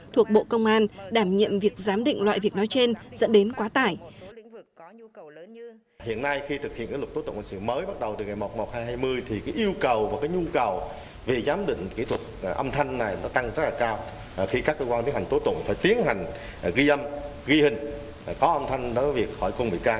thuộc bộ công an đảm nhiệm việc giám định loại việc nói trên dẫn đến quá tải